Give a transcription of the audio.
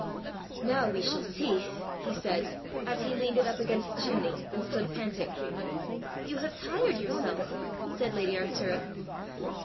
"Now we shall see!" he said, as he leaned it up against the chimney, and stood panting. "You have tired yourself!" said lady Arctura.